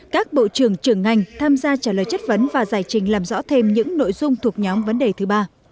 các bộ trưởng trưởng ngành tham gia trả lời chất vấn và giải trình làm rõ thêm những nội dung thuộc nhóm vấn đề thứ ba